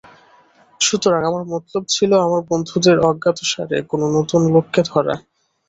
সুতরাং আমার মতলব ছিল, আমার বন্ধুদের অজ্ঞাতসারে কোন নূতন লোককে ধরা।